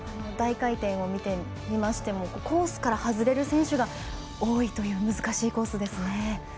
大回転を見てみましてもコースから外れる選手が多いという、難しいコースですね。